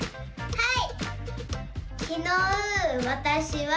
はい！